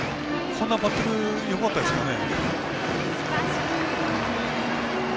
そんなバッティングよかったですかね。